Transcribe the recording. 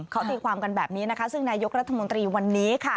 เขาตีความกันแบบนี้นะคะซึ่งนายกรัฐมนตรีวันนี้ค่ะ